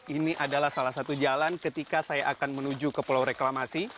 ini adalah salah satu jalan ketika saya akan menuju ke pulau reklamasi